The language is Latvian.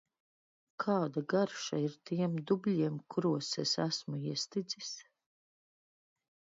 Kāda garša ir tiem dubļiem, kuros es esmu iestidzis?